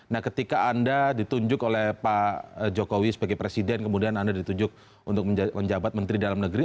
nah ketika anda ditunjuk oleh pak jokowi sebagai presiden kemudian anda ditunjuk untuk menjabat menteri dalam negeri